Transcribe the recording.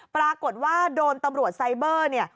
ปรากฏว่าโดนตำรวจไซเบอร์เนี่ย